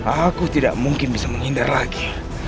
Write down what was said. aku tidak mungkin bisa menghindar lagi